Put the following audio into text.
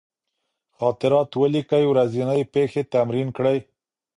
خاطرات ولیکئ، ورځني پېښې تمرین کړئ.